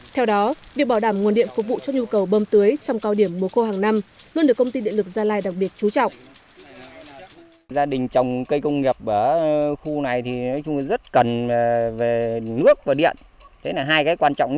theo đó việc bảo đảm nguồn điện phục vụ cho nhu cầu bơm tưới trong cao điểm mùa khô hàng năm luôn được công ty điện lực gia lai đặc biệt chú trọng